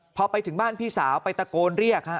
พอไปถึงบ้านพี่สาวไปตะโกนเรียกฮะ